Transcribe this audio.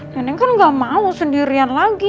neneng kan gak mau sendirian lagi